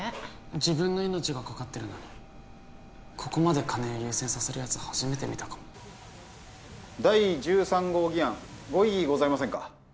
自分の命がかかってるのにここまで金を優先させるやつ初めて見たかも第１３号議案ご異議ございませんか？